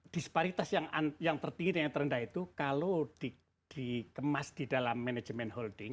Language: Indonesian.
disparitas yang tertinggi dan yang terendah itu kalau dikemas di dalam manajemen holding